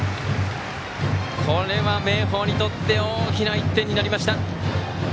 これは明豊にとって大きな１点になりました。